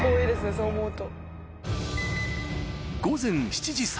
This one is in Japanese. そう思うと。